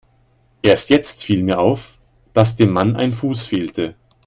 Erst jetzt fiel mir auf, dass dem Mann ein Fuß fehlte.